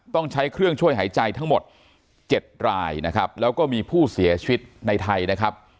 ต้องใช้เครื่องช่วยหายใจทั้งหมด๗รายนะครับแล้วก็มีผู้เสียชีวิตในไทยนะครับ